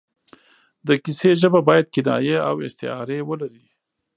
د کیسې ژبه باید کنایې او استعارې ولري.